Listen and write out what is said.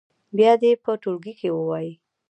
بیا دې یې په ټولګي کې ووايي.